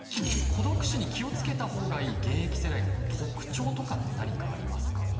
孤独死に気をつけたほうがいい現役世代の特徴とかって何かありますか？